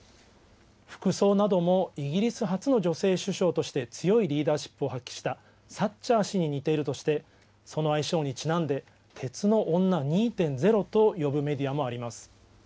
服装なども、イギリス初の女性首相として強いリーダーシップを発揮したサッチャー氏に似ているとして、その愛称にちなんで、鉄の女２．０と呼ぶメディアもあります。